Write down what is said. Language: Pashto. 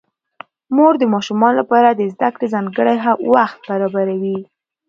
مور د ماشومانو لپاره د زده کړې ځانګړی وخت برابروي